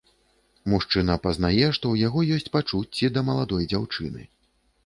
Мужчына пазнае, што ў яго ёсць пачуцці да маладой дзяўчыны.